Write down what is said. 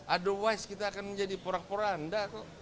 otherwise kita akan menjadi pura pura andal